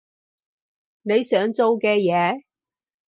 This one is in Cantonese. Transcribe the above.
你想做嘅嘢？